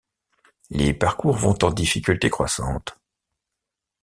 Les parcours vont en difficulté croissante.